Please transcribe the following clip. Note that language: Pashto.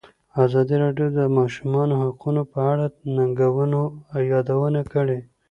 ازادي راډیو د د ماشومانو حقونه په اړه د ننګونو یادونه کړې.